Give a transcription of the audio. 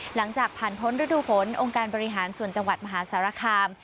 หลังจากผ่านพ้นฤดูฝนองค์การบริหารส่วนจังหวัดมหาสารคาม